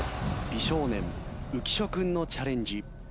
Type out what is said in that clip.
美少年浮所君のチャレンジ。